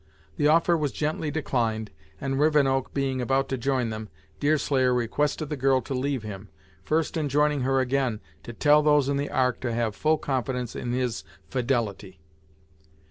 The offer was gently declined, and Rivenoak being about to join them, Deerslayer requested the girl to leave him, first enjoining her again to tell those in the Ark to have full confidence in his fidelity.